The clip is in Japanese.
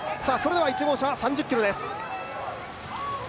１号車は３０ｋｍです。